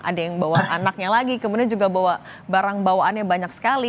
ada yang bawa anaknya lagi kemudian juga bawa barang bawaannya banyak sekali